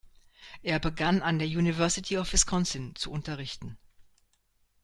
Er begann an der University of Wisconsin zu unterrichten.